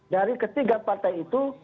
dari ketiga partai itu